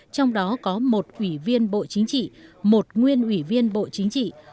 trong đó có một ủy viên bộ chính trị một nguyên ủy viên bộ chính trị